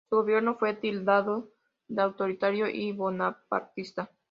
Su gobierno fue tildado de autoritario y bonapartista.